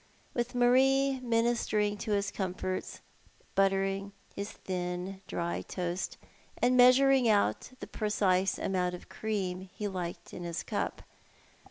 with Marie ministering to liis comforts, buttering liis thin dry toast, and measuring out the precise amount of cream he liked in his cup.